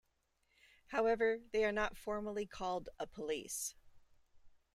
However, they are not formally called a "police".